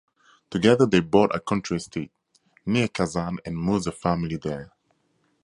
Together they bought a country estate near Kazan and moved the family there.